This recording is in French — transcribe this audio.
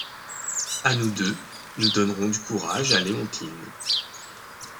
À nous deux, nous donnerons du courage à Léontine...